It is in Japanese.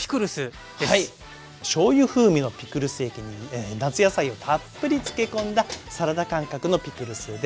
しょうゆ風味のピクルス液に夏野菜をたっぷり漬け込んだサラダ感覚のピクルスです。